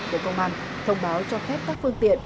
bộ công an thông báo cho phép các phương tiện